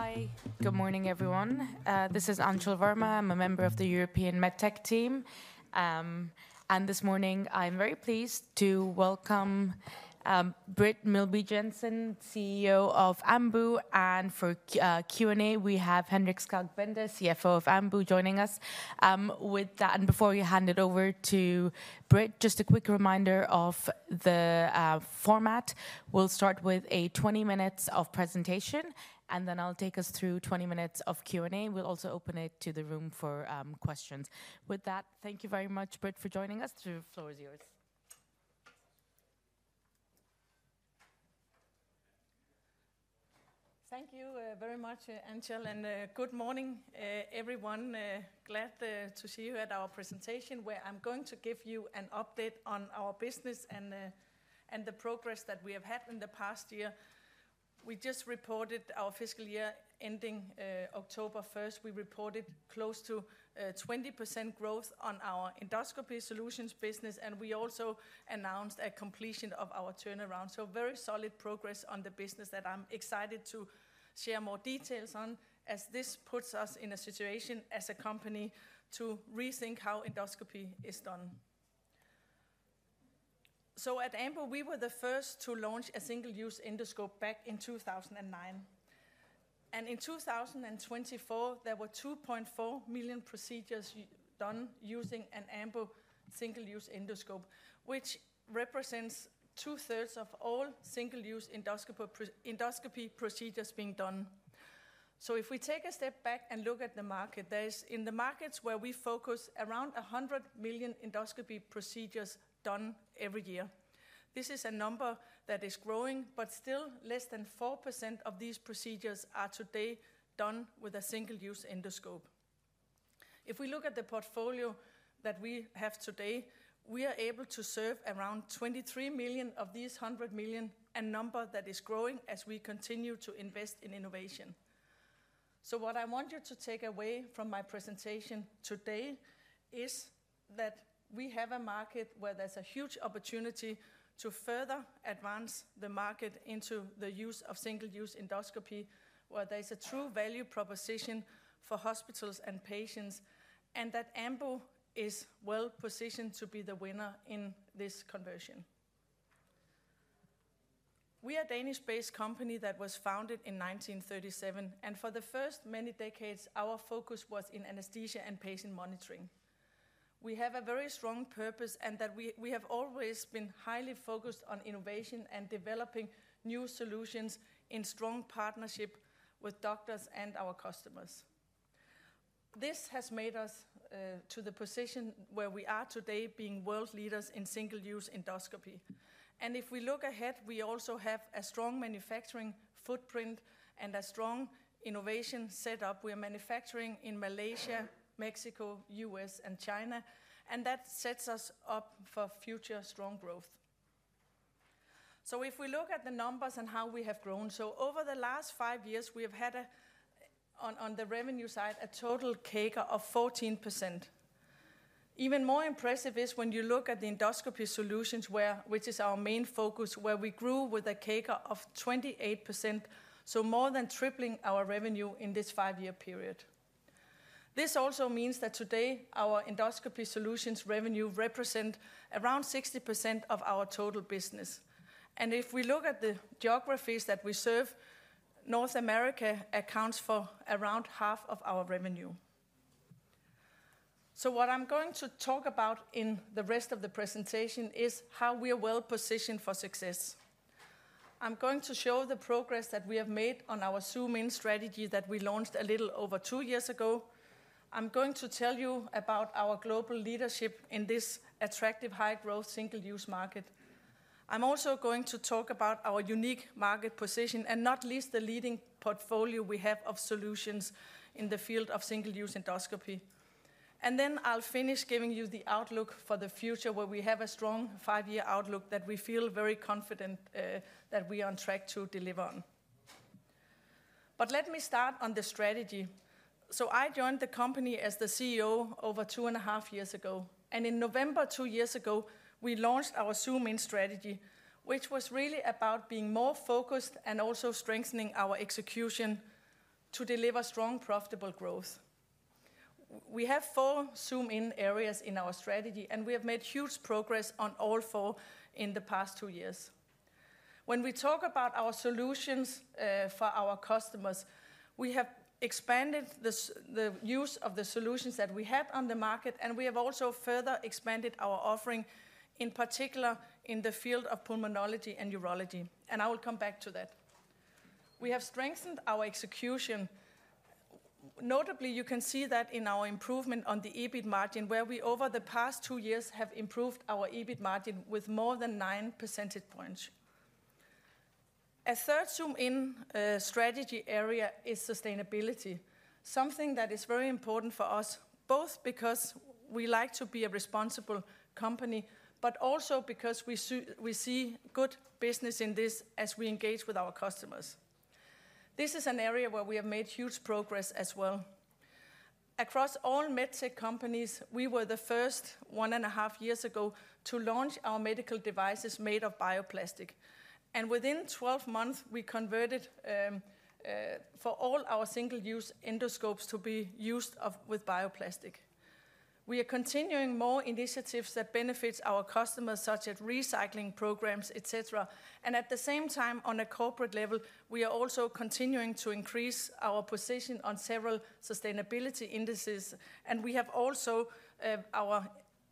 Hi, good morning everyone. This is Anchal Verma. I'm a member of the European MedTech team. And this morning I'm very pleased to welcome Britt Meelby Jensen, CEO of Ambu. And for Q&A, we have Henrik Skak Bender, CFO of Ambu, joining us. With that, and before we hand it over to Britt, just a quick reminder of the format. We'll start with 20 minutes of presentation, and then I'll take us through 20 minutes of Q&A. We'll also open it to the room for questions. With that, thank you very much, Britt, for joining us. The floor is yours. Thank you very much, Anchal, and good morning, everyone. Glad to see you at our presentation where I'm going to give you an update on our business and the progress that we have had in the past year. We just reported our fiscal year ending October 1st. We reported close to 20% growth on our endoscopy solutions business, and we also announced a completion of our turnaround, so very solid progress on the business that I'm excited to share more details on, as this puts us in a situation as a company to rethink how endoscopy is done. At Ambu, we were the first to launch a single-use endoscope back in 2009, and in 2024, there were 2.4 million procedures done using an Ambu single-use endoscope, which represents two-thirds of all single-use endoscopy procedures being done. So, if we take a step back and look at the market, there is, in the markets where we focus, around 100 million endoscopy procedures done every year. This is a number that is growing, but still less than 4% of these procedures are today done with a single-use endoscope. If we look at the portfolio that we have today, we are able to serve around 23 million of these 100 million, a number that is growing as we continue to invest in innovation. So, what I want you to take away from my presentation today is that we have a market where there's a huge opportunity to further advance the market into the use of single-use endoscopy, where there's a true value proposition for hospitals and patients, and that Ambu is well positioned to be the winner in this conversion. We are a Danish-based company that was founded in 1937, and for the first many decades, our focus was in anesthesia and patient monitoring. We have a very strong purpose and that we have always been highly focused on innovation and developing new solutions in strong partnership with doctors and our customers. This has made us to the position where we are today, being world leaders in single-use endoscopy. And if we look ahead, we also have a strong manufacturing footprint and a strong innovation setup. We are manufacturing in Malaysia, Mexico, the U.S., and China, and that sets us up for future strong growth. So, if we look at the numbers and how we have grown, so over the last five years, we have had, on the revenue side, a total CAGR of 14%. Even more impressive is when you look at the endoscopy solutions, which is our main focus, where we grew with a CAGR of 28%, so more than tripling our revenue in this five-year period. This also means that today our endoscopy solutions revenue represents around 60% of our total business. And if we look at the geographies that we serve, North America accounts for around half of our revenue. So, what I'm going to talk about in the rest of the presentation is how we are well positioned for success. I'm going to show the progress that we have made on our Zoom In strategy that we launched a little over two years ago. I'm going to tell you about our global leadership in this attractive, high-growth single-use market. I'm also going to talk about our unique market position, and not least the leading portfolio we have of solutions in the field of single-use endoscopy. And then I'll finish giving you the outlook for the future, where we have a strong five-year outlook that we feel very confident that we are on track to deliver on. But let me start on the strategy. So, I joined the company as the CEO over two and a half years ago. And in November, two years ago, we launched our Zoom In strategy, which was really about being more focused and also strengthening our execution to deliver strong, profitable growth. We have four Zoom In areas in our strategy, and we have made huge progress on all four in the past two years. When we talk about our solutions for our customers, we have expanded the use of the solutions that we have on the market, and we have also further expanded our offering, in particular in the field of Pulmonology and Urology. And I will come back to that. We have strengthened our execution. Notably, you can see that in our improvement on the EBIT margin, where we over the past two years have improved our EBIT margin with more than nine percentage points. A third Zoom In strategy area is sustainability, something that is very important for us, both because we like to be a responsible company, but also because we see good business in this as we engage with our customers. This is an area where we have made huge progress as well. Across all MedTech companies, we were the first one and a half years ago to launch our medical devices made of bioplastic. And within 12 months, we converted for all our single-use endoscopes to be used with bioplastic. We are continuing more initiatives that benefit our customers, such as recycling programs, etc. And at the same time, on a corporate level, we are also continuing to increase our position on several sustainability indices, and we have also our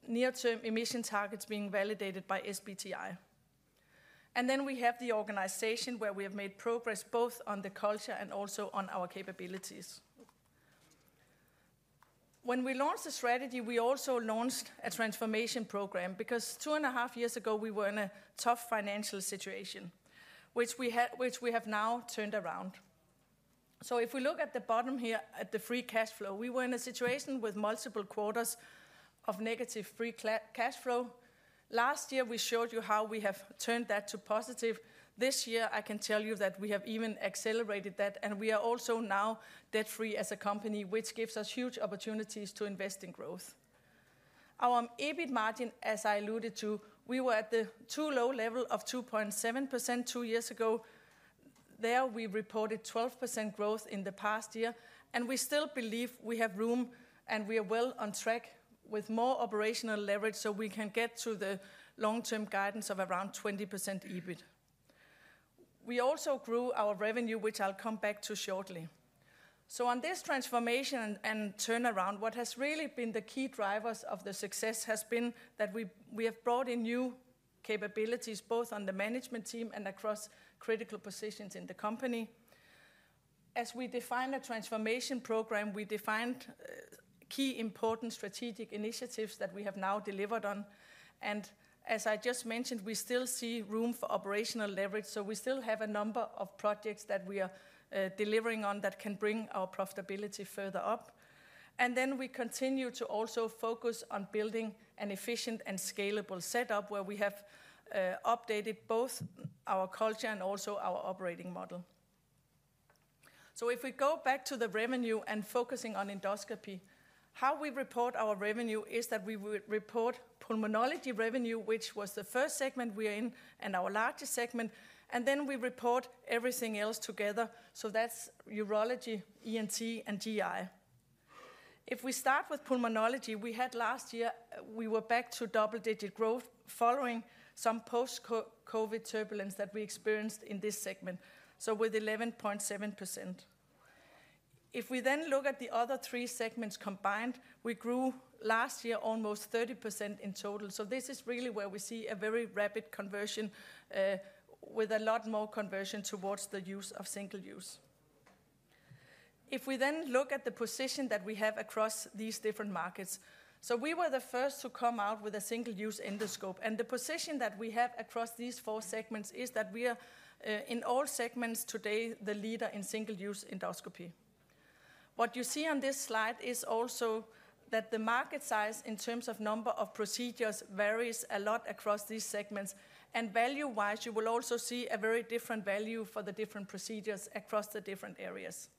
near-term emission targets being validated by SBTi. And then we have the organization where we have made progress both on the culture and also on our capabilities. When we launched the strategy, we also launched a transformation program because two and a half years ago, we were in a tough financial situation, which we have now turned around. So, if we look at the bottom here at the free cash flow, we were in a situation with multiple quarters of negative free cash flow. Last year, we showed you how we have turned that to positive. This year, I can tell you that we have even accelerated that, and we are also now debt-free as a company, which gives us huge opportunities to invest in growth. Our EBIT margin, as I alluded to, we were at the too low level of 2.7% two years ago. There, we reported 12% growth in the past year, and we still believe we have room and we are well on track with more operational leverage so we can get to the long-term guidance of around 20% EBIT. We also grew our revenue, which I'll come back to shortly. On this transformation and turnaround, what has really been the key drivers of the success has been that we have brought in new capabilities both on the management team and across critical positions in the company. As we define a transformation program, we define key important strategic initiatives that we have now delivered on. And as I just mentioned, we still see room for operational leverage, so we still have a number of projects that we are delivering on that can bring our profitability further up. And then we continue to also focus on building an efficient and scalable setup where we have updated both our culture and also our operating model. So, if we go back to the revenue and focusing on endoscopy, how we report our revenue is that we report pulmonology revenue, which was the first segment we are in and our largest segment, and then we report everything else together. So, that's urology, ENT, and GI. If we start with pulmonology, we had last year, we were back to double-digit growth following some post-COVID turbulence that we experienced in this segment, so with 11.7%. If we then look at the other three segments combined, we grew last year almost 30% in total. So, this is really where we see a very rapid conversion with a lot more conversion towards the use of single-use. If we then look at the position that we have across these different markets, so we were the first to come out with a single-use endoscope, and the position that we have across these four segments is that we are in all segments today the leader in single-use endoscopy. What you see on this slide is also that the market size in terms of number of procedures varies a lot across these segments, and value-wise, you will also see a very different value for the different procedures across the different areas.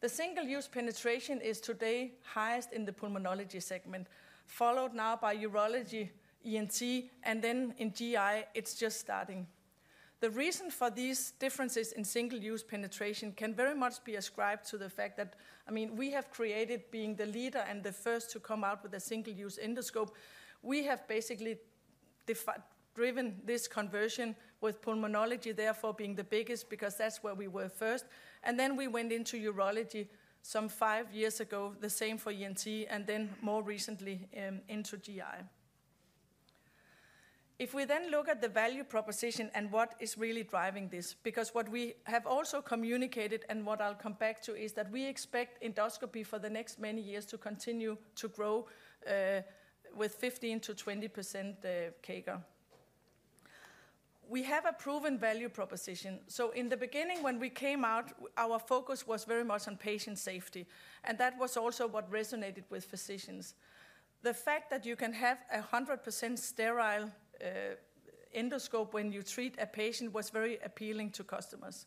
The single-use penetration is today highest in the pulmonology segment, followed now by urology, ENT, and then in GI, it's just starting. The reason for these differences in single-use penetration can very much be ascribed to the fact that, I mean, we have created being the leader and the first to come out with a single-use endoscope. We have basically driven this conversion with Pulmonology, therefore being the biggest because that's where we were first. And then we went into Urology some five years ago, the same for ENT, and then more recently into GI. If we then look at the value proposition and what is really driving this, because what we have also communicated and what I'll come back to is that we expect Endoscopy for the next many years to continue to grow with 15%-20% CAGR. We have a proven value proposition. So, in the beginning, when we came out, our focus was very much on patient safety, and that was also what resonated with physicians. The fact that you can have a 100% sterile endoscope when you treat a patient was very appealing to customers.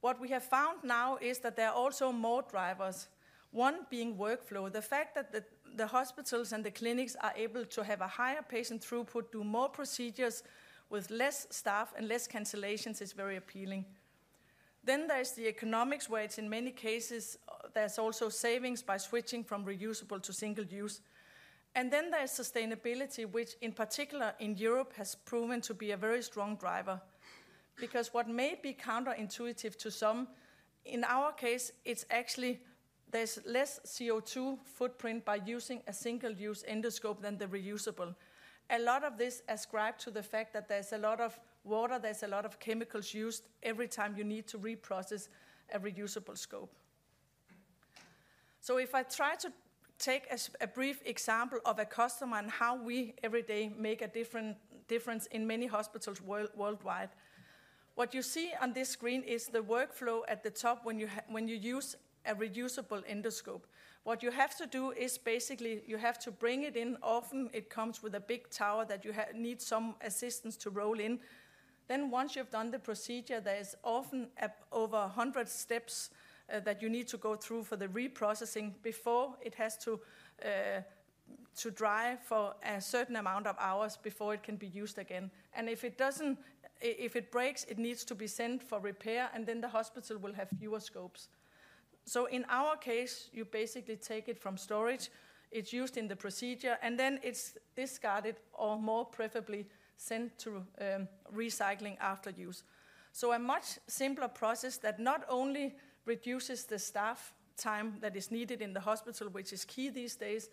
What we have found now is that there are also more drivers, one being workflow. The fact that the hospitals and the clinics are able to have a higher patient throughput, do more procedures with less staff and less cancellations is very appealing, then there's the economics, where it's in many cases, there's also savings by switching from reusable to single-use, and then there's sustainability, which in particular in Europe has proven to be a very strong driver. Because what may be counterintuitive to some, in our case, it's actually there's less CO2 footprint by using a single-use endoscope than the reusable. A lot of this ascribed to the fact that there's a lot of water, there's a lot of chemicals used every time you need to reprocess a reusable scope. If I try to take a brief example of a customer and how we every day make a different difference in many hospitals worldwide, what you see on this screen is the workflow at the top when you use a reusable endoscope. What you have to do is basically you have to bring it in. Often, it comes with a big tower that you need some assistance to roll in, then once you've done the procedure, there's often over 100 steps that you need to go through for the reprocessing before it has to dry for a certain amount of hours before it can be used again, and if it doesn't, if it breaks, it needs to be sent for repair, and then the hospital will have fewer scopes. In our case, you basically take it from storage, it's used in the procedure, and then it's discarded or more preferably sent to recycling after use. A much simpler process that not only reduces the staff time that is needed in the hospital, which is key these days,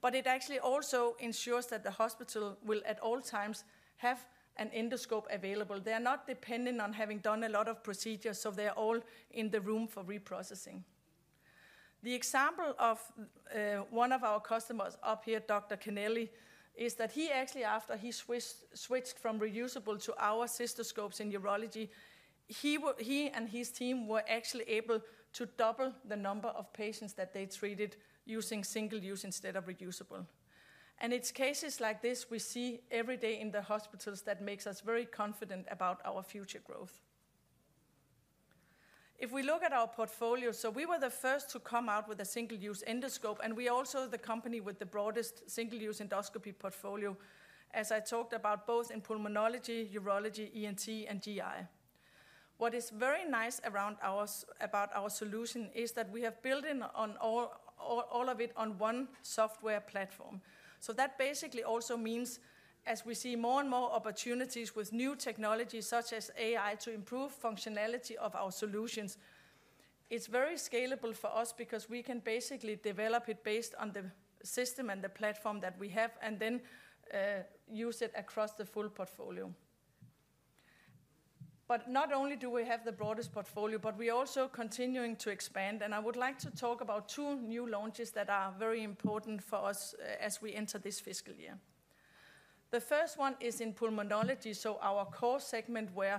but it actually also ensures that the hospital will at all times have an endoscope available. They are not dependent on having done a lot of procedures, so they are all in the room for reprocessing. The example of one of our customers up here, Dr. Cornely, is that he actually, after he switched from reusable to our cystoscopes in urology, he and his team were actually able to double the number of patients that they treated using single-use instead of reusable. And it's cases like this we see every day in the hospitals that makes us very confident about our future growth. If we look at our portfolio, so we were the first to come out with a single-use endoscope, and we are also the company with the broadest single-use endoscopy portfolio, as I talked about, both in pulmonology, urology, ENT, and GI. What is very nice about our solution is that we have built in all of it on one software platform. So, that basically also means as we see more and more opportunities with new technologies such as AI to improve functionality of our solutions, it's very scalable for us because we can basically develop it based on the system and the platform that we have and then use it across the full portfolio. But not only do we have the broadest portfolio, but we are also continuing to expand. And I would like to talk about two new launches that are very important for us as we enter this fiscal year. The first one is in Pulmonology, so our core segment where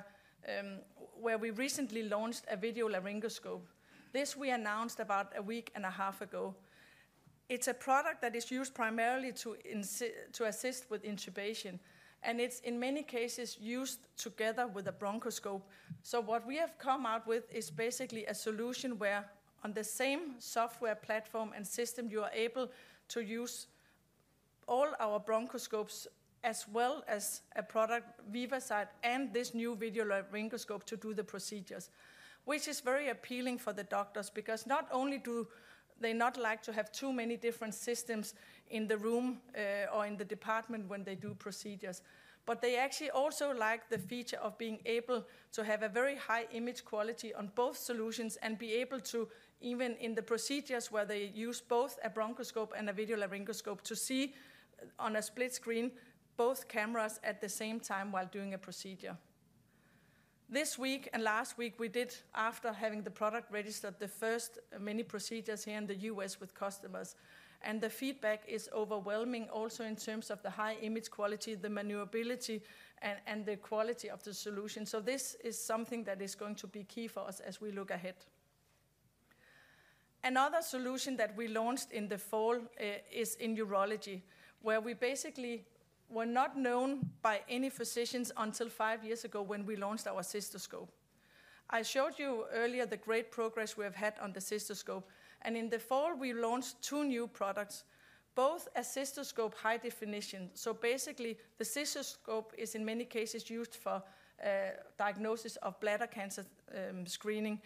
we recently launched a video laryngoscope. This we announced about a week and a half ago. It's a product that is used primarily to assist with intubation, and it's in many cases used together with a bronchoscope. What we have come out with is basically a solution where, on the same software platform and system, you are able to use all our bronchoscopes as well as a product, VivaSight, and this new video laryngoscope to do the procedures, which is very appealing for the doctors because not only do they not like to have too many different systems in the room or in the department when they do procedures, but they actually also like the feature of being able to have a very high image quality on both solutions and be able to even in the procedures where they use both a bronchoscope and a video laryngoscope to see on a split screen both cameras at the same time while doing a procedure. This week and last week, we did, after having the product registered, the first many procedures here in the U.S. with customers. And the feedback is overwhelming also in terms of the high image quality, the maneuverability, and the quality of the solution. So, this is something that is going to be key for us as we look ahead. Another solution that we launched in the fall is in urology, where we basically were not known by any physicians until five years ago when we launched our cystoscope. I showed you earlier the great progress we have had on the cystoscope. And in the fall, we launched two new products, both a cystoscope high definition. So, basically, the cystoscope is in many cases used for diagnosis of bladder cancer screening.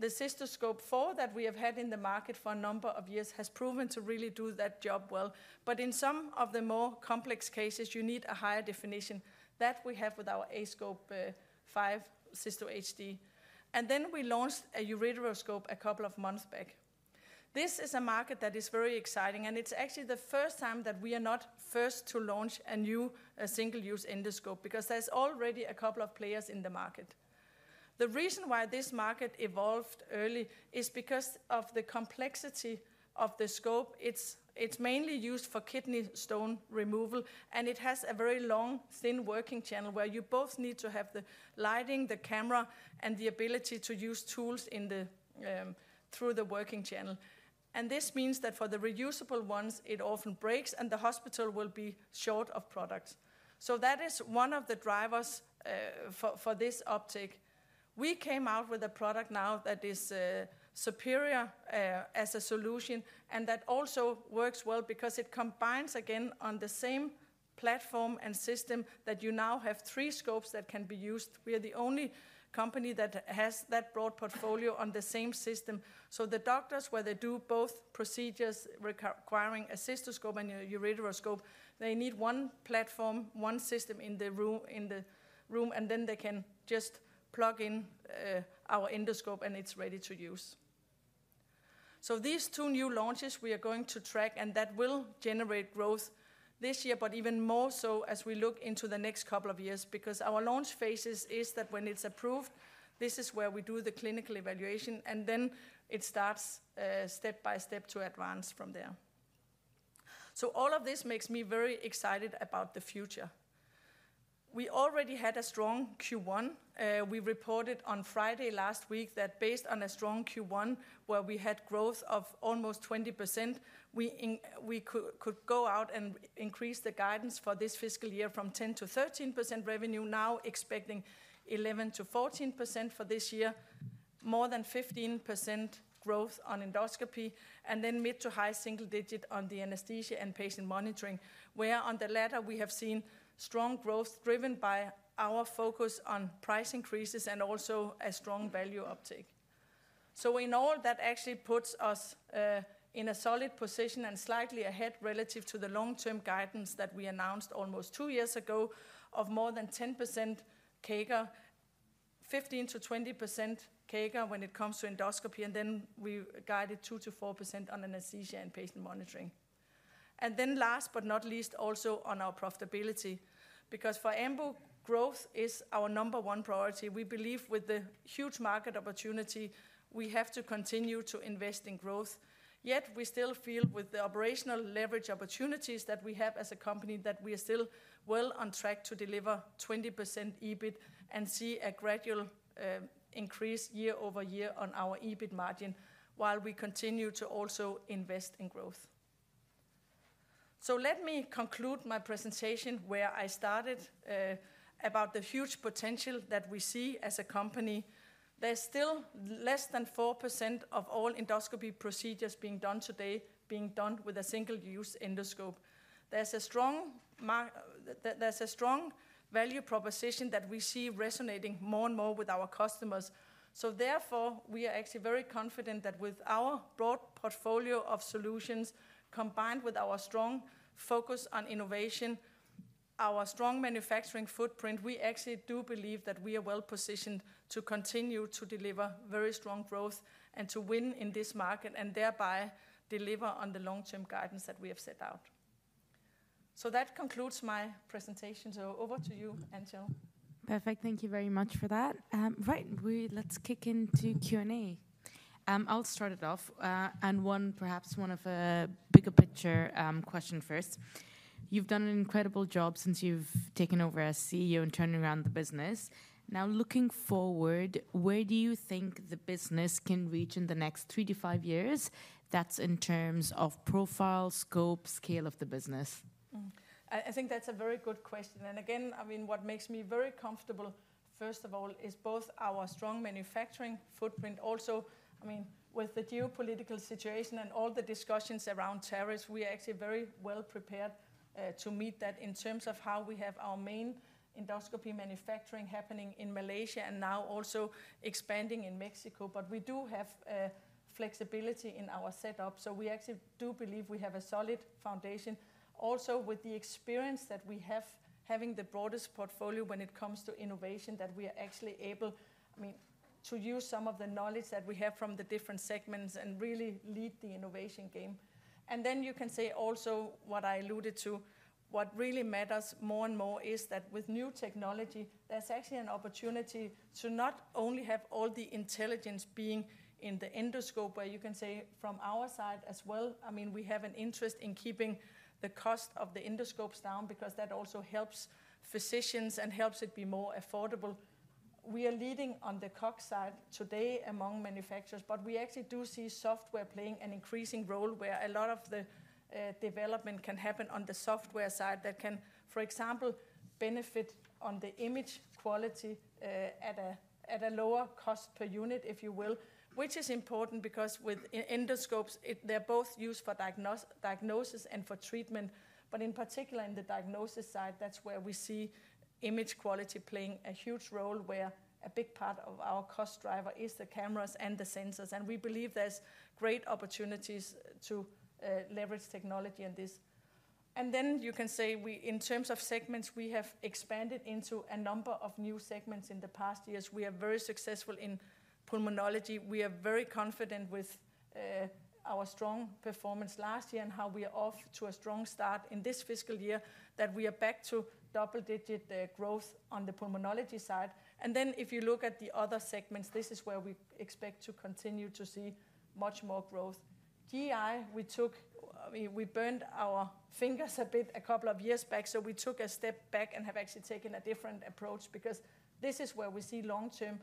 The cystoscope 4 that we have had in the market for a number of years has proven to really do that job well. But in some of the more complex cases, you need a higher definition. That we have with our aScope 5 Cysto HD. And then we launched a ureteroscope a couple of months back. This is a market that is very exciting, and it's actually the first time that we are not first to launch a new single-use endoscope because there's already a couple of players in the market. The reason why this market evolved early is because of the complexity of the scope. It's mainly used for kidney stone removal, and it has a very long, thin working channel where you both need to have the lighting, the camera, and the ability to use tools through the working channel. And this means that for the reusable ones, it often breaks, and the hospital will be short of products. So, that is one of the drivers for this uptake. We came out with a product now that is superior as a solution and that also works well because it combines, again, on the same platform and system that you now have three scopes that can be used. We are the only company that has that broad portfolio on the same system. So, the doctors, where they do both procedures requiring a cystoscope and a ureteroscope, they need one platform, one system in the room, and then they can just plug in our endoscope, and it's ready to use. So, these two new launches we are going to track, and that will generate growth this year, but even more so as we look into the next couple of years because our launch phase is that when it's approved, this is where we do the clinical evaluation, and then it starts step by step to advance from there. So, all of this makes me very excited about the future. We already had a strong Q1. We reported on Friday last week that based on a strong Q1 where we had growth of almost 20%, we could go out and increase the guidance for this fiscal year from 10%-13% revenue, now expecting 11%-14% for this year, more than 15% growth on endoscopy, and then mid- to high-single-digit on the anesthesia and patient monitoring, where on the latter we have seen strong growth driven by our focus on price increases and also a strong value uptake. So, in all, that actually puts us in a solid position and slightly ahead relative to the long-term guidance that we announced almost two years ago of more than 10% CAGR, 15%-20% CAGR when it comes to endoscopy, and then we guided 2%-4% on anesthesia and patient monitoring, and then last but not least, also on our profitability because for Ambu growth is our number one priority. We believe with the huge market opportunity, we have to continue to invest in growth. Yet we still feel with the operational leverage opportunities that we have as a company that we are still well on track to deliver 20% EBIT and see a gradual increase year over year on our EBIT margin while we continue to also invest in growth. So, let me conclude my presentation where I started about the huge potential that we see as a company. There's still less than 4% of all endoscopy procedures being done today being done with a single-use endoscope. There's a strong value proposition that we see resonating more and more with our customers. So, therefore, we are actually very confident that with our broad portfolio of solutions combined with our strong focus on innovation, our strong manufacturing footprint, we actually do believe that we are well positioned to continue to deliver very strong growth and to win in this market and thereby deliver on the long-term guidance that we have set out. So, that concludes my presentation. So, over to you, Anchal. Perfect. Thank you very much for that. Right, let's kick into Q&A. I'll start it off and one, perhaps, one of the big picture questions first. You've done an incredible job since you've taken over as CEO and turned around the business. Now, looking forward, where do you think the business can reach in the next three to five years? That's in terms of profile, scope, scale of the business. I think that's a very good question. And again, I mean, what makes me very comfortable, first of all, is both our strong manufacturing footprint. Also, I mean, with the geopolitical situation and all the discussions around tariffs, we are actually very well prepared to meet that in terms of how we have our main endoscopy manufacturing happening in Malaysia and now also expanding in Mexico. But we do have flexibility in our setup. So, we actually do believe we have a solid foundation. Also, with the experience that we have, having the broadest portfolio when it comes to innovation, that we are actually able, I mean, to use some of the knowledge that we have from the different segments and really lead the innovation game, and then you can say also what I alluded to, what really matters more and more is that with new technology, there's actually an opportunity to not only have all the intelligence being in the endoscope where you can say from our side as well, I mean, we have an interest in keeping the cost of the endoscopes down because that also helps physicians and helps it be more affordable. We are leading on the COGS side today among manufacturers, but we actually do see software playing an increasing role where a lot of the development can happen on the software side that can, for example, benefit on the image quality at a lower cost per unit, if you will, which is important because with endoscopes, they're both used for diagnosis and for treatment, but in particular, in the diagnosis side, that's where we see image quality playing a huge role where a big part of our cost driver is the cameras and the sensors. And we believe there's great opportunities to leverage technology in this, and then you can say in terms of segments, we have expanded into a number of new segments in the past years. We are very successful in pulmonology. We are very confident with our strong performance last year and how we are off to a strong start in this fiscal year, that we are back to double-digit growth on the pulmonology side. And then if you look at the other segments, this is where we expect to continue to see much more growth. GI, we burned our fingers a bit a couple of years back, so we took a step back and have actually taken a different approach because this is where we see long-term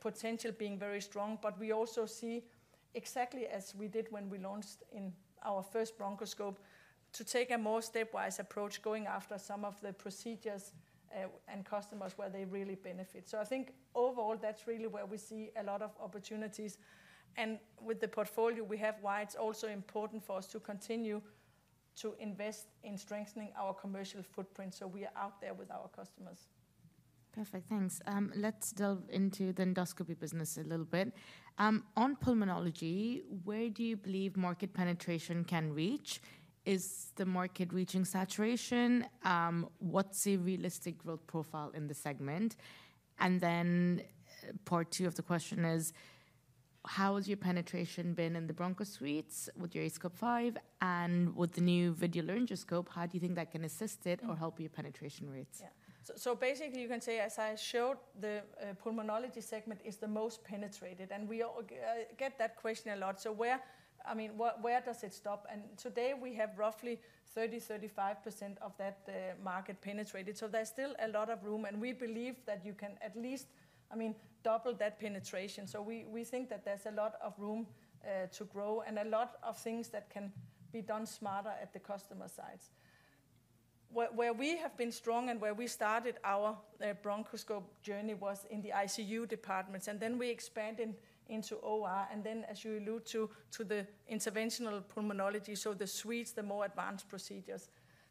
potential being very strong. But we also see exactly as we did when we launched in our first bronchoscope to take a more stepwise approach going after some of the procedures and customers where they really benefit. So, I think overall, that's really where we see a lot of opportunities. And with the portfolio we have, why it's also important for us to continue to invest in strengthening our commercial footprint so we are out there with our customers. Perfect. Thanks. Let's delve into the endoscopy business a little bit. On pulmonology, where do you believe market penetration can reach? Is the market reaching saturation? What's a realistic growth profile in the segment? And then part two of the question is, how has your penetration been in the bronchosuites with your aScope 5 and with the new video laryngoscope? How do you think that can assist it or help your penetration rates? Yeah. So, basically, you can say, as I showed, the pulmonology segment is the most penetrated. And we get that question a lot. So, I mean, where does it stop? And today, we have roughly 30%-35% of that market penetrated. So, there's still a lot of room. We believe that you can at least, I mean, double that penetration. We think that there's a lot of room to grow and a lot of things that can be done smarter at the customer sides. Where we have been strong and where we started our bronchoscope journey was in the ICU departments. Then we expanded into OR. Then, as you alluded to, to the interventional pulmonology, so the suites, the more advanced procedures.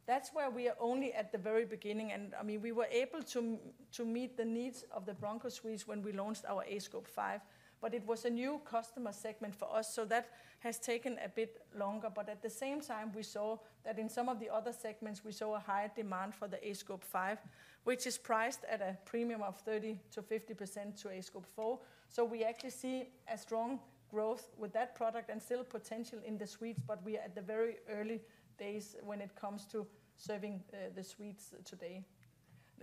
That's where we are only at the very beginning. I mean, we were able to meet the needs of the bronchosuites when we launched our aScope 5, but it was a new customer segment for us. That has taken a bit longer. But at the same time, we saw that in some of the other segments, we saw a higher demand for the aScope 5, which is priced at a premium of 30%-50% to aScope 4. So, we actually see a strong growth with that product and still potential in the suites, but we are at the very early days when it comes to serving the suites today.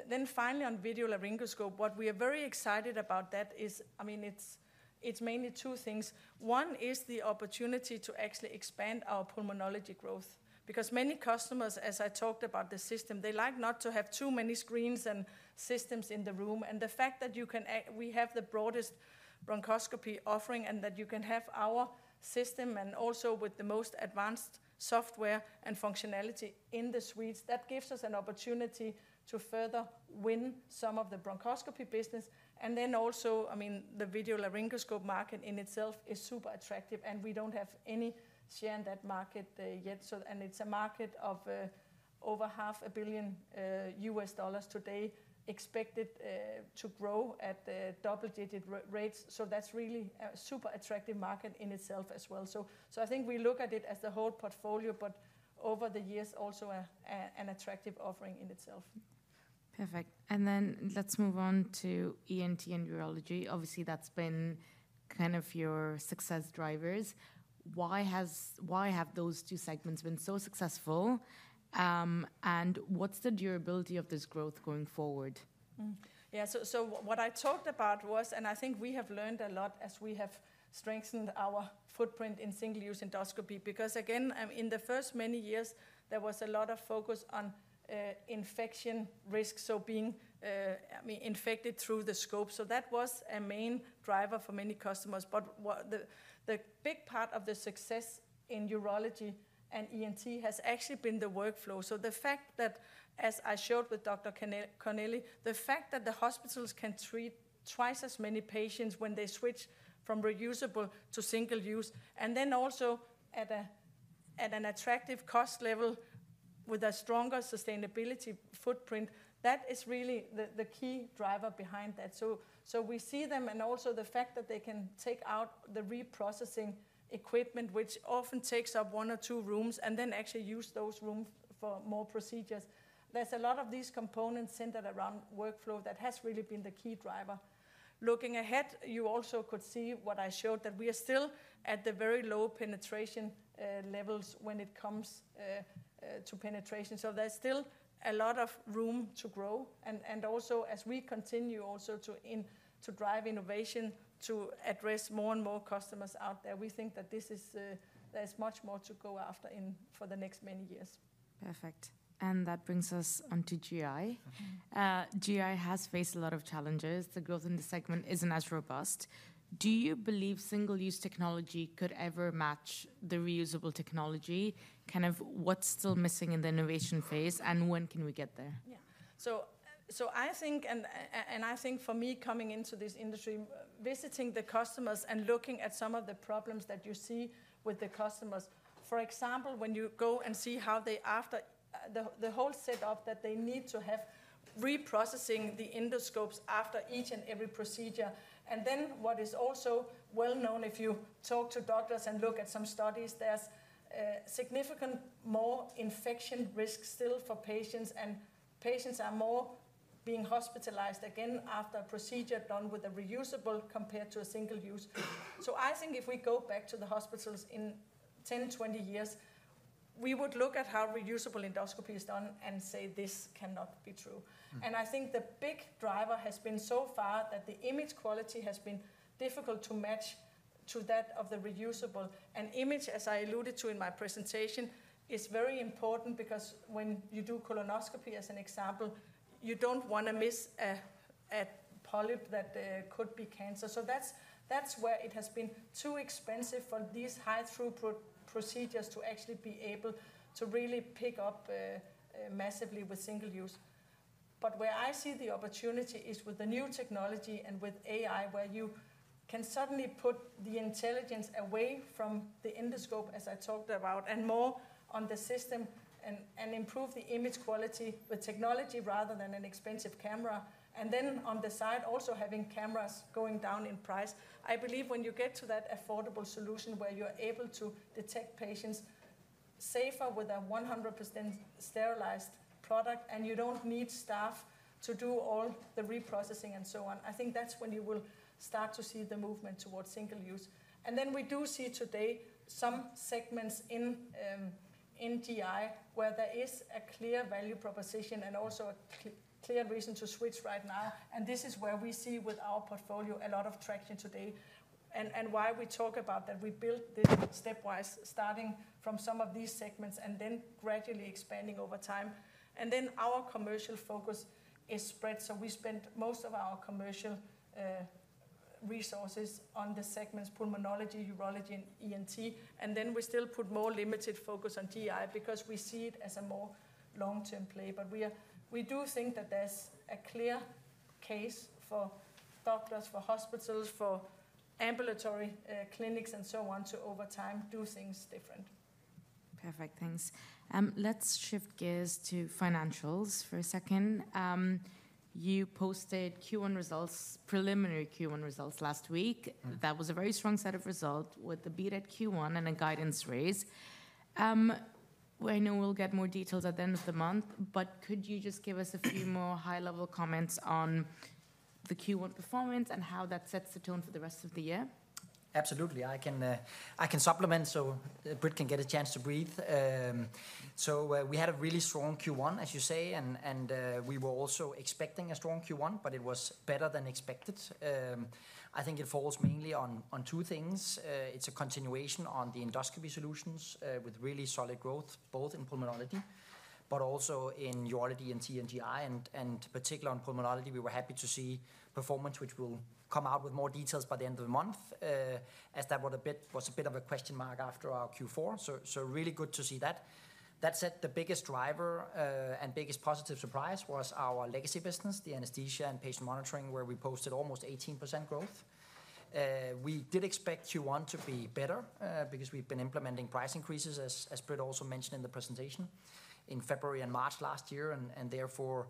Then finally, on video laryngoscopy, what we are very excited about that is, I mean, it's mainly two things. One is the opportunity to actually expand our pulmonology growth because many customers, as I talked about the system, they like not to have too many screens and systems in the room. And the fact that we have the broadest bronchoscopy offering and that you can have our system and also with the most advanced software and functionality in the suites, that gives us an opportunity to further win some of the bronchoscopy business. And then also, I mean, the video laryngoscope market in itself is super attractive, and we don't have any share in that market yet. So, and it's a market of over $500 million today, expected to grow at double-digit rates. So, that's really a super attractive market in itself as well. So, I think we look at it as the whole portfolio, but over the years, also an attractive offering in itself. Perfect. And then let's move on to ENT and urology. Obviously, that's been kind of your success drivers. Why have those two segments been so successful? What's the durability of this growth going forward? Yeah. What I talked about was, and I think we have learned a lot as we have strengthened our footprint in single-use endoscopy because, again, in the first many years, there was a lot of focus on infection risk, so being, I mean, infected through the scope. That was a main driver for many customers. The big part of the success in Urology and ENT has actually been the workflow. The fact that, as I showed with Dr. Cornely, the fact that the hospitals can treat twice as many patients when they switch from reusable to single-use, and then also at an attractive cost level with a stronger sustainability footprint, that is really the key driver behind that. So, we see them, and also the fact that they can take out the reprocessing equipment, which often takes up one or two rooms, and then actually use those rooms for more procedures. There's a lot of these components centered around workflow that has really been the key driver. Looking ahead, you also could see what I showed, that we are still at the very low penetration levels when it comes to penetration. So, there's still a lot of room to grow. And also, as we continue also to drive innovation to address more and more customers out there, we think that there's much more to go after for the next many years. Perfect. And that brings us on to GI. GI has faced a lot of challenges. The growth in the segment isn't as robust. Do you believe single-use technology could ever match the reusable technology? Kind of what's still missing in the innovation phase and when can we get there? Yeah. So, I think, and I think for me, coming into this industry, visiting the customers and looking at some of the problems that you see with the customers, for example, when you go and see how they after the whole setup that they need to have reprocessing the endoscopes after each and every procedure. And then what is also well known, if you talk to doctors and look at some studies, there's significant more infection risk still for patients, and patients are more being hospitalized again after a procedure done with a reusable compared to a single-use. So, I think if we go back to the hospitals in 10, 20 years, we would look at how reusable endoscopy is done and say, "This cannot be true." And I think the big driver has been so far that the image quality has been difficult to match to that of the reusable. And image, as I alluded to in my presentation, is very important because when you do colonoscopy, as an example, you don't want to miss a polyp that could be cancer. So, that's where it has been too expensive for these high-throughput procedures to actually be able to really pick up massively with single-use. But where I see the opportunity is with the new technology and with AI, where you can suddenly put the intelligence away from the endoscope, as I talked about, and more on the system and improve the image quality with technology rather than an expensive camera. And then on the side, also having cameras going down in price. I believe when you get to that affordable solution where you're able to detect patients safer with a 100% sterilized product and you don't need staff to do all the reprocessing and so on, I think that's when you will start to see the movement towards single-use. And then we do see today some segments in GI where there is a clear value proposition and also a clear reason to switch right now. And this is where we see with our portfolio a lot of traction today. And why we talk about that, we built this stepwise starting from some of these segments and then gradually expanding over time. And then our commercial focus is spread. So, we spent most of our commercial resources on the segments Pulmonology, Urology, and ENT. And then we still put more limited focus on GI because we see it as a more long-term play. But we do think that there's a clear case for doctors, for hospitals, for ambulatory clinics, and so on to over time do things different. Perfect. Thanks. Let's shift gears to financials for a second. You posted Q1 results, preliminary Q1 results last week. That was a very strong set of results with that beat Q1 and a guidance raise. I know we'll get more details at the end of the month, but could you just give us a few more high-level comments on the Q1 performance and how that sets the tone for the rest of the year? Absolutely. I can supplement so Britt can get a chance to breathe. So, we had a really strong Q1, as you say, and we were also expecting a strong Q1, but it was better than expected. I think it falls mainly on two things. It's a continuation on the Endoscopy Solutions with really solid growth, both in pulmonology, but also in urology, ENT, and GI. And particularly on pulmonology, we were happy to see performance, which will come out with more details by the end of the month, as that was a bit of a question mark after our Q4. So, really good to see that. That said, the biggest driver and biggest positive surprise was our legacy business, the anesthesia and patient monitoring, where we posted almost 18% growth. We did expect Q1 to be better because we've been implementing price increases, as Britt also mentioned in the presentation, in February and March last year, and therefore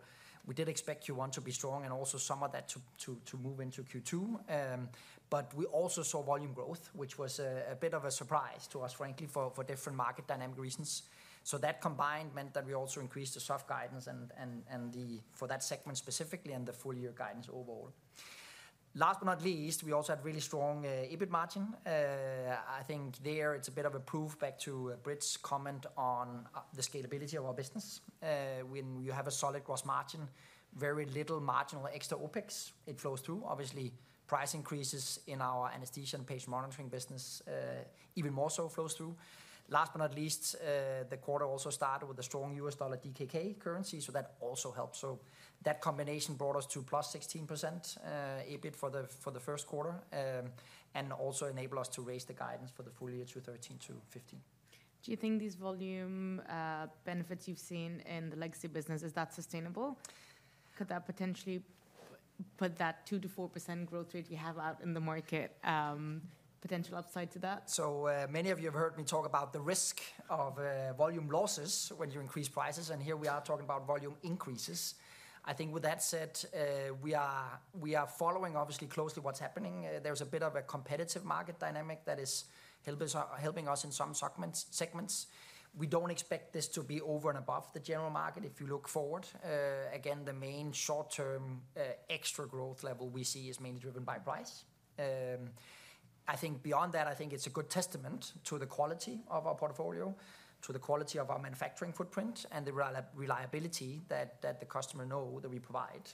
we did expect Q1 to be strong and also some of that to move into Q2, but we also saw volume growth, which was a bit of a surprise to us, frankly, for different market dynamic reasons, so that combined meant that we also increased the soft guidance for that segment specifically and the full-year guidance overall. Last but not least, we also had really strong EBIT margin. I think there it's a bit of a proof back to Britt's comment on the scalability of our business. When you have a solid gross margin, very little marginal extra OpEx, it flows through. Obviously, price increases in our anesthesia and patient monitoring business even more so flows through. Last but not least, the quarter also started with a strong US dollar DKK currency, so that also helped. So, that combination brought us to plus 16% EBIT for the first quarter and also enabled us to raise the guidance for the full year to 13%-15%. Do you think these volume benefits you've seen in the legacy business, is that sustainable? Could that potentially put that 2%-4% growth rate you have out in the market potential upside to that? So, many of you have heard me talk about the risk of volume losses when you increase prices, and here we are talking about volume increases. I think with that said, we are following obviously closely what's happening. There's a bit of a competitive market dynamic that is helping us in some segments. We don't expect this to be over and above the general market if you look forward. Again, the main short-term extra growth level we see is mainly driven by price. I think beyond that, I think it's a good testament to the quality of our portfolio, to the quality of our manufacturing footprint, and the reliability that the customer knows that we provide,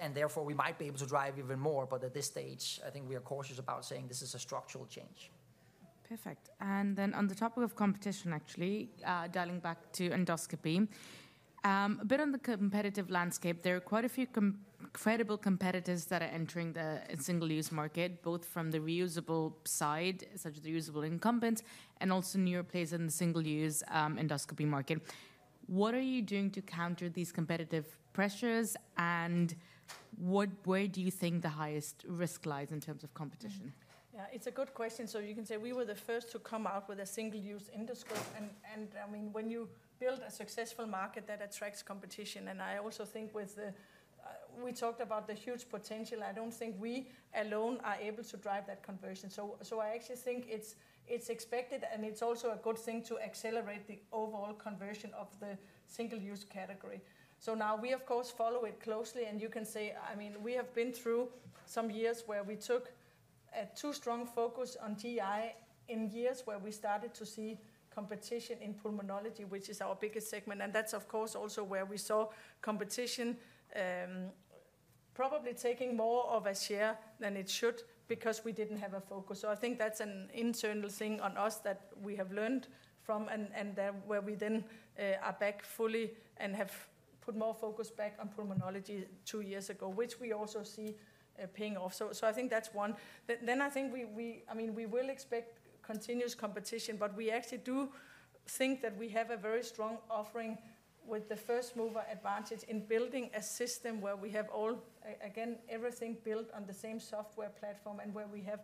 and therefore we might be able to drive even more, but at this stage, I think we are cautious about saying this is a structural change. Perfect. And then on the topic of competition, actually dialing back to endoscopy, a bit on the competitive landscape, there are quite a few credible competitors that are entering the single-use market, both from the reusable side, such as the reusable incumbents, and also newer plays in the single-use endoscopy market. What are you doing to counter these competitive pressures, and where do you think the highest risk lies in terms of competition? Yeah, it's a good question. So, you can say we were the first to come out with a single-use endoscope. And I mean, when you build a successful market that attracts competition, and I also think with what we talked about the huge potential, I don't think we alone are able to drive that conversion. So, I actually think it's expected, and it's also a good thing to accelerate the overall conversion of the single-use category. So, now we, of course, follow it closely, and you can say, I mean, we have been through some years where we took a too strong focus on GI in years where we started to see competition in pulmonology, which is our biggest segment. And that's, of course, also where we saw competition probably taking more of a share than it should because we didn't have a focus. So, I think that's an internal thing on us that we have learned from, and where we then are back fully and have put more focus back on pulmonology two years ago, which we also see paying off. So, I think that's one. I think we, I mean, we will expect continuous competition, but we actually do think that we have a very strong offering with the first-mover advantage in building a system where we have all, again, everything built on the same software platform and where we have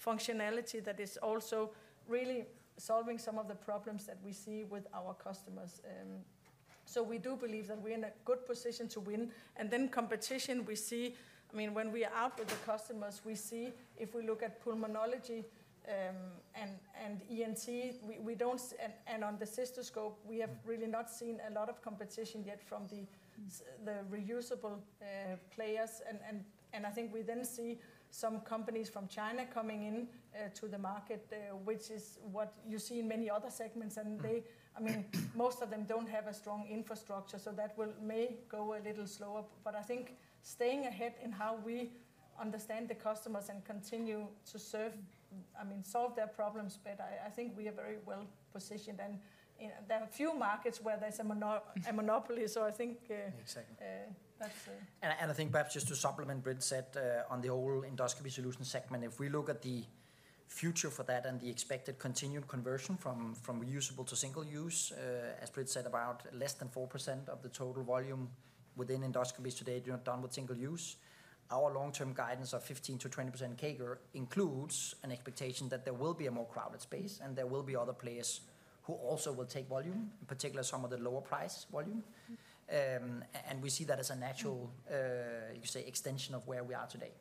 functionality that is also really solving some of the problems that we see with our customers. We do believe that we're in a good position to win. Competition, we see, I mean, when we are out with the customers, we see if we look at pulmonology and ENT, we don't, and on the cystoscope, we have really not seen a lot of competition yet from the reusable players. I think we then see some companies from China coming into the market, which is what you see in many other segments. They, I mean, most of them don't have a strong infrastructure, so that may go a little slower. But I think staying ahead in how we understand the customers and continue to serve, I mean, solve their problems better, I think we are very well positioned. And there are a few markets where there's a monopoly, so I think. Exactly. And I think perhaps just to supplement Britt's set on the whole endoscopy solution segment, if we look at the future for that and the expected continued conversion from reusable to single-use, as Britt said, about less than 4% of the total volume within endoscopies today are done with single-use. Our long-term guidance of 15%-20% CAGR includes an expectation that there will be a more crowded space, and there will be other players who also will take volume, in particular some of the lower-priced volume. And we see that as a natural, you could say, extension of where we are today.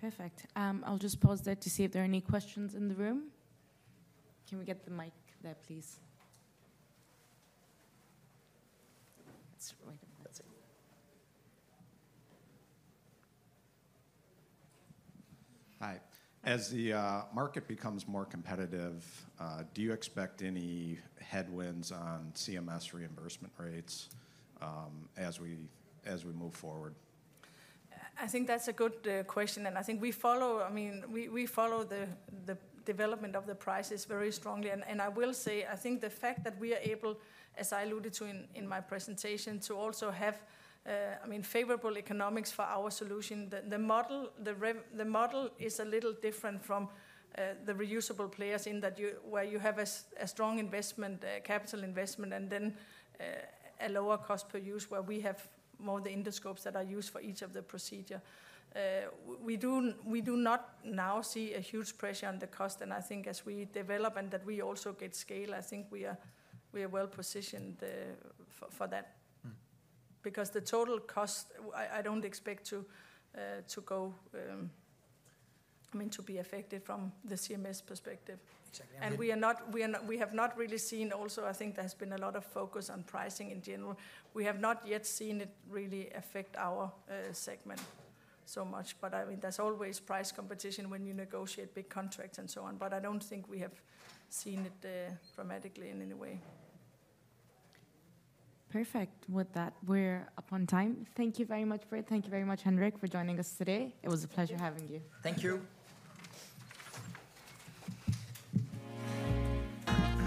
Perfect. I'll just pause there to see if there are any questions in the room. Can we get the mic there, please? That's right. [inaudible] Hi. As the market becomes more competitive, do you expect any headwinds on CMS reimbursement rates as we move forward? I think that's a good question, and I think we follow, I mean, we follow the development of the prices very strongly. I will say, I think the fact that we are able, as I alluded to in my presentation, to also have, I mean, favorable economics for our solution. The model is a little different from the reusable players in that where you have a strong investment, capital investment, and then a lower cost per use where we have more of the endoscopes that are used for each of the procedures. We do not now see a huge pressure on the cost, and I think as we develop and that we also get scale, I think we are well positioned for that. Because the total cost, I don't expect to go, I mean, to be affected from the CMS perspective. We have not really seen also, I think there has been a lot of focus on pricing in general. We have not yet seen it really affect our segment so much, but I mean, there's always price competition when you negotiate big contracts and so on, but I don't think we have seen it dramatically in any way. Perfect. We're up on time. Thank you very much, Britt. Thank you very much, Henrik, for joining us today. It was a pleasure having you. Thank you.